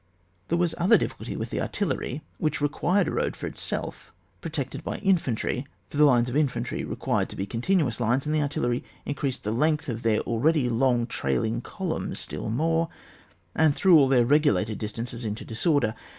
There was other difficulty with the artillery, which required a road for itself, pro tected by infantry ; for the lines of infantry required to be continuous lines, and the artillery increased the length of their already long trailing columns still more, and threw all their regulated distances into disorder.